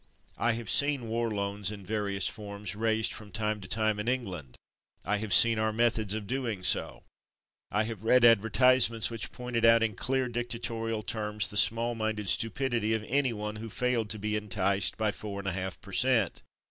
I have seen war loans in various forms raised from time to time in England; I have seen our methods of doing so; I have read advertise ments which pointed out in clear, dictatorial terms the small minded stupidity of any one who failed to be enticed by four and a half per cent.